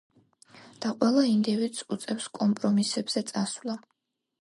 და ყველა ინდივიდს უწევს კომპრომისებზე წასვლა.